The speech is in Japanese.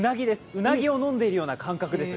鰻を飲んでいるような感じです。